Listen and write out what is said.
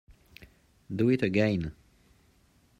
Do it again!